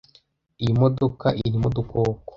iyo modoka irimo Udukoko